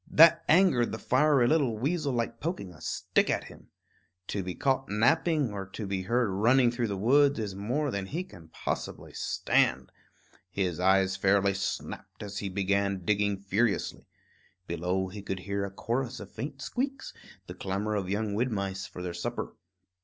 That angered the fiery little weasel like poking a stick at him. To be caught napping, or to be heard running through the woods, is more than he can possibly stand. His eyes fairly snapped as he began digging furiously. Below, he could hear a chorus of faint squeaks, the clamor of young wood mice for their supper.